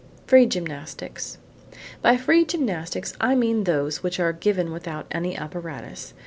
FREE GYMNASTICS By free gymnastics I mean those which are given without any apparatus.